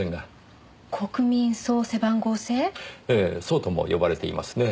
そうとも呼ばれていますねぇ。